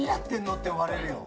って思われるよ。